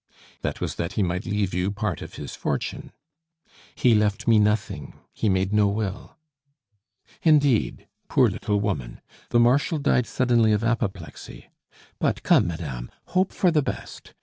"That was that he might leave you part of his fortune." "He left me nothing; he made no will." "Indeed! Poor little woman! The Marshal died suddenly of apoplexy. But, come, madame, hope for the best.